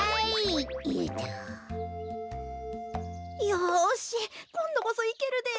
よしこんどこそいけるで。